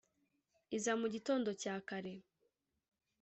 iza mu gitondo cya kare